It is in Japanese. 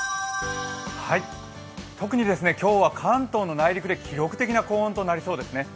特に今日は関東の内陸で記録的な高温となりそうですね。